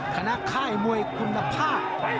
ค่ายมวยคุณภาพ